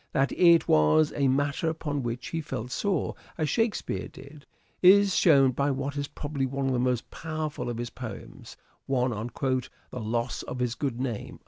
That it was a matter upon which he felt sore, as Shakespeare did, is shown by what is probably one of the most powerful of his poems ; one on " The Loss of his Good Name."